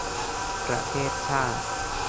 ประเทศชาติ